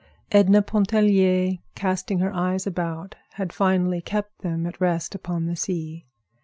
Edna Pontellier, casting her eyes about, had finally kept them at rest upon the sea.